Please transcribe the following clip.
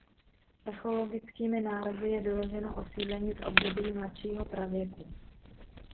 Archeologickými nálezy je doloženo osídlení z období mladšího pravěku.